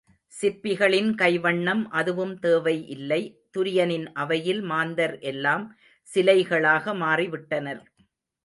சிற்பிகளின் கைவண்ணம் அதுவும் தேவை இல்லை, துரியனின் அவையில் மாந்தர் எல்லாம் சிலைகளாக மாறி விட்டனர்.